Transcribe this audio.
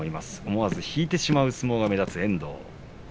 思わず引いてしまう相撲が目立つ遠藤。